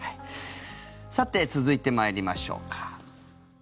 さて、続いて参りましょうか。